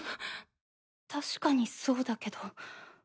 確かにそうだけど。